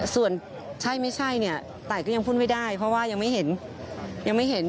ส่วนใช่ไม่ใช่เนี่ยไตก็ยังพูดไม่ได้เพราะว่ายังไม่เห็น